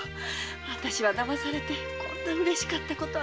私はだまされてこんなにうれしかった事は。